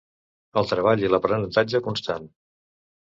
El treball i l'aprenentatge constant.